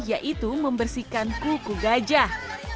yaitu membersihkan kuku gajah